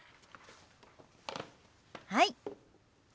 はい。